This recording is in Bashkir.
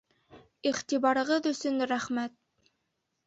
Иғтибарығыҙ өсөн рәхмәт.